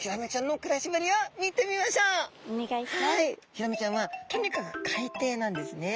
ヒラメちゃんはとにかく海底なんですね。